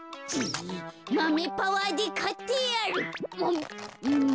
マメパワーでかってやる。